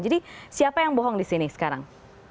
jadi siapa yang bohong disini sekarang